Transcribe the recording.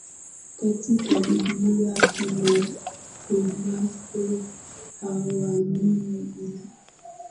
katika bibilia kina thomaso hawaamini bila